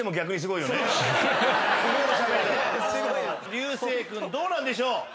流星君どうなんでしょう？